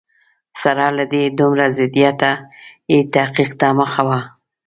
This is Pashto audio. سره له دې دومره ضدیته یې تحقیق ته مخه وه.